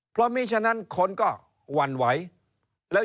เพราะมีฉะนั้นคนก็หวั่นไหวแล้ว